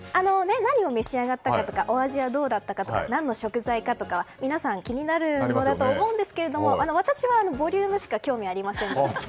何を召し上がったとかお味はどうだったとか何の食材かとかは皆さん気になると思いますが私はボリュームしか興味ありませんので。